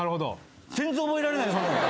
全然覚えられない。